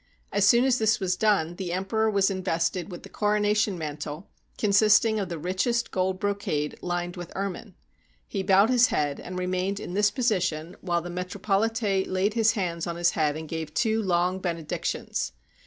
As soon as this was done, the emperor was invested with the coronation mantle, consisting of the richest gold brocade lined with ermine. He bowed his head, and remained in this position while the metropolite laid his hands on his head and gave two long benedictions.